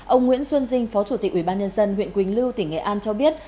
ông nguyễn xuân dinh phó chủ tịch ubnd huyện quỳnh lưu tỉnh nghệ an cho biết